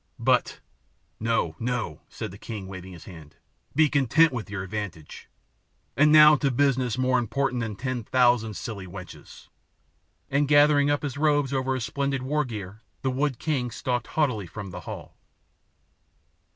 "But " "No, no," said the king, waving his hand. "Be content with your advantage. And now to business more important than ten thousand silly wenches," and gathering up his robes over his splendid war gear the wood king stalked haughtily from the hall.